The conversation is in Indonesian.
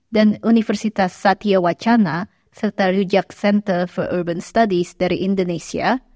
dan universitas satya wacana serta rujak center for urban studies dari indonesia